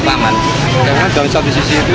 karena ada dosa di sisi itu